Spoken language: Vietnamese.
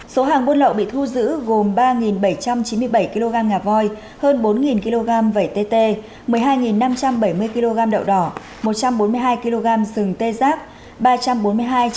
số hàng buôn lậu bị thu giữ gồm ba bảy trăm chín mươi bảy kg ngà voi hơn bốn kg vẩy tt một mươi hai năm trăm bảy mươi kg đậu đỏ một trăm bốn mươi hai kg sừng tê giác